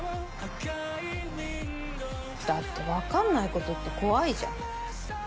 だって分かんないことって怖いじゃん。